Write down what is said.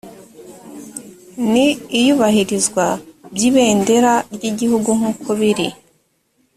n iyubahirizwa by ibendera ry igihugu nk uko biri